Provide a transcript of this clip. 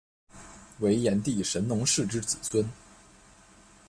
为炎帝神农氏之子孙。